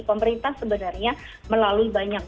pemerintah sebenarnya melalui banyak